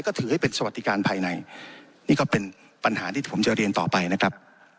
ก็ถือให้เป็นสวัสดิการภายในนี่ก็เป็นปัญหาที่ผมจะเรียนต่อไปนะครับ